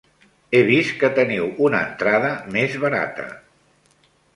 He vist que teniu una entrada més barata.